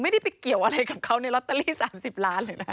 ไม่ได้ไปเกี่ยวอะไรกับเขาในลอตเตอรี่๓๐ล้านเลยนะ